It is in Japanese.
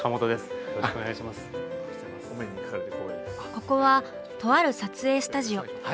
ここはとある撮影スタジオ。